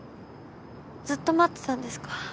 ずっと待ってたんですか？